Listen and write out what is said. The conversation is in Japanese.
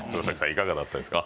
いかがだったですか？